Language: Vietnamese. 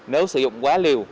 nếu sử dụng quá liều